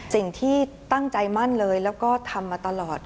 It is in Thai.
สิ่งที่ตั้งใจมั่นเลยแล้วก็ทำมาตลอด